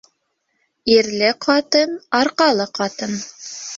Ирле ҡатын — арҡалы ҡатын.